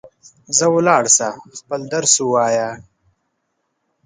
ځه ولاړ سه ، خپل درس ووایه